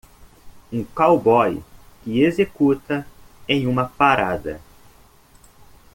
Um cowboy que executa em uma parada.